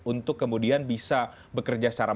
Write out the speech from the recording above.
untuk kemudian bisa bekerja secara